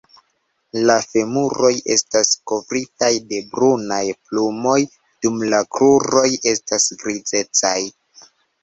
La femuroj estas kovritaj de brunaj plumoj dum la kruroj estas grizecaj.